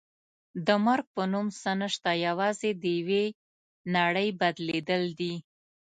د مرګ په نوم څه نشته یوازې د یوې نړۍ بدلېدل دي.